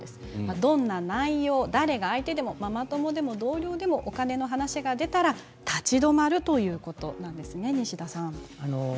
どんな内容、誰が相手でもママ友でも、同僚でもお金の話が出たら立ち止まるということなんですよね。